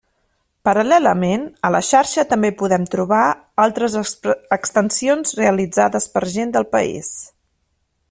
Paral·lelament, a la xarxa també podem trobar altres extensions realitzades per gent del país.